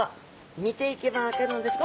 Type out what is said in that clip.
見ていけば分かるのですが。